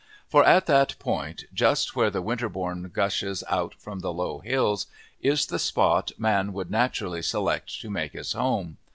For at that point, just where the winterbourne gushes out from the low hills, is the spot man would naturally select to make his home.